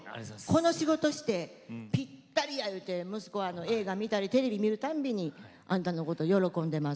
この仕事してぴったりやいうて息子は映画見たりテレビ見るたんびにあんたのこと喜んでます。